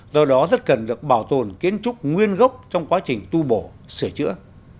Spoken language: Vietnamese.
do đó rất cần được bảo tồn kiến trúc nguyên gốc trong quá trình tu bổ sửa chữa